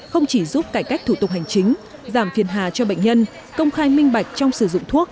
không chỉ giúp cải cách thủ tục hành chính giảm phiền hà cho bệnh nhân công khai minh bạch trong sử dụng thuốc